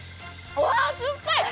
うわー、酸っぱい。